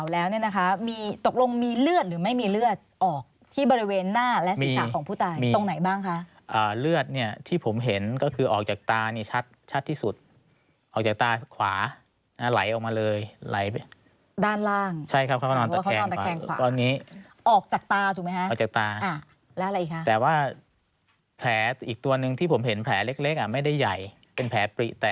แล้วเนี่ยนะคะมีตกลงมีเลือดหรือไม่มีเลือดออกที่บริเวณหน้าและศีรษะของผู้ตายตรงไหนบ้างคะเลือดเนี่ยที่ผมเห็นก็คือออกจากตานี่ชัดชัดที่สุดออกจากตาขวาไหลออกมาเลยไหลไปด้านล่างใช่ครับตัวเขานอนตะแคงขวาตอนนี้ออกจากตาถูกไหมคะออกจากตาแล้วอะไรคะแต่ว่าแผลอีกตัวหนึ่งที่ผมเห็นแผลเล็กเล็กอ่ะไม่ได้ใหญ่เป็นแผลปริแต่